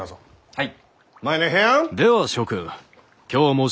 はい！